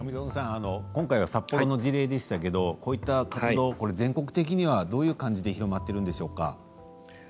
今回は札幌の事例でしたけれどもこういった活動、全国的にはどういう感じで広まっているんでしょうか？